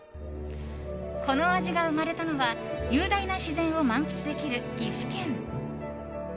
この味が生まれたのは雄大な自然を満喫できる岐阜県。